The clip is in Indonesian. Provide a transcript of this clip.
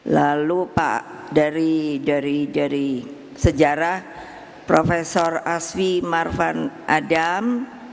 lalu pak dari sejarah prof aswi marvan adam